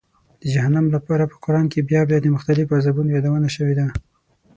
د جهنم لپاره په قرآن کې بیا بیا د مختلفو عذابونو یادونه شوې ده.